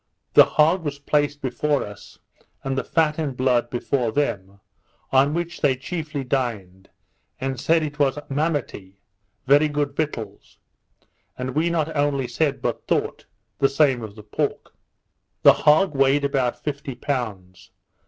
The hog was placed before us, and the fat and blood before them, on which they chiefly dined, and said it was Mamity, very good victuals; and we not only said, but thought, the same of the pork. The hog weighed about fifty pounds.